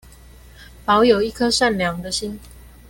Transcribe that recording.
保有一顆善良的心